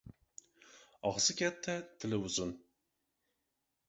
• Og‘zi katta — tili uzun.